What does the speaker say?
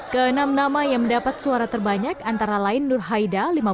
keenam nama yang mendapat suara terbanyak antara lain nur haida